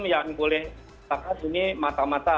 yang boleh dikatakan ini mata mata